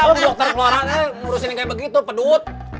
kok dokter keluarannya ngurusin kayak begitu pedut